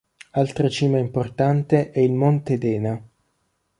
Altra cima importante è il monte Dena.